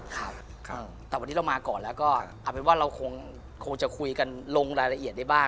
ครับแต่วันนี้เรามาก่อนแล้วก็เอาเป็นว่าเราคงจะคุยกันลงรายละเอียดได้บ้าง